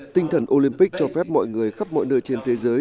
tinh thần olympic cho phép mọi người khắp mọi nơi trên thế giới